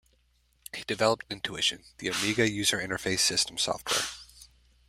He developed "Intuition", the Amiga user interface system software.